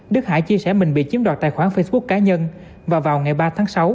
đức hải chia sẻ mình bị chiếm đoạt tài khoản facebook cá nhân và vào ngày ba tháng sáu